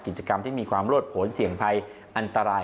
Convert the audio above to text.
กิจกรรมที่มีความรวดผลเสี่ยงภัยอันตราย